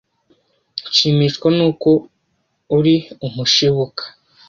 nshimishwa n’uko uri umushibuka